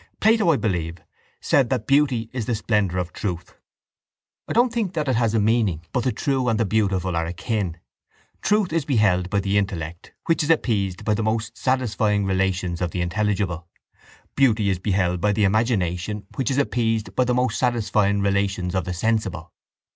Plato, I believe, said that beauty is the splendour of truth. I don't think that it has a meaning, but the true and the beautiful are akin. Truth is beheld by the intellect which is appeased by the most satisfying relations of the intelligible; beauty is beheld by the imagination which is appeased by the most satisfying relations of the sensible.